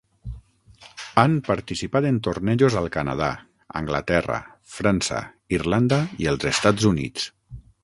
Han participat en tornejos al Canadà, Anglaterra, França, Irlanda i els Estats Units.